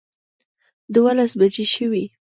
دولس بجې شوې.